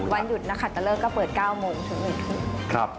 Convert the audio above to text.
วันหยุดนักขัตตะเลิกก็เปิด๙โมงถึง๑ทุ่ม